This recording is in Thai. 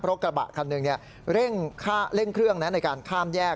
เพราะกระบะคันหนึ่งเร่งเครื่องในการข้ามแยก